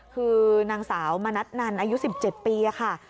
คือนางสาวมณัฐนันอายุ๑๗ปีค่ะ